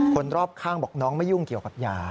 คนรอบข้างบอกน้องไม่ยุ่งเกี่ยวกับยา